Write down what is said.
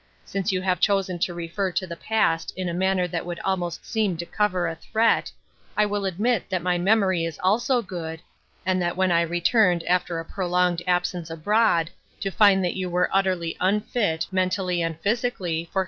Since you have chosen to refer to the past in a manner that would almost seem to cover a threat, I will admit that my memory is also good, and that when I returned after a prolonged absence abroad, to find that you were utterly unfit, mentally and physically, for A PLAIN UNDERSTANDING.